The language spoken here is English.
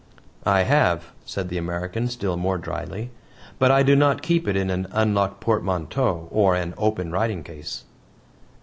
"I have," said the American still more dryly. "But I do not keep it in an unlocked portmanteau or an open writing case."